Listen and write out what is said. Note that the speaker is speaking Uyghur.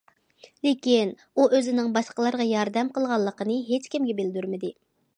لېكىن ئۇ ئۆزىنىڭ باشقىلارغا ياردەم قىلغانلىقىنى ھېچكىمگە بىلدۈرمىدى.